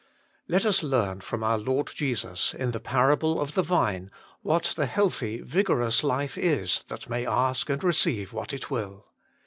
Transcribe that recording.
Let us learn from our Lord Jesus, in the parable of the vine, what the healthy, vigorous life is that may ask and receive what it will.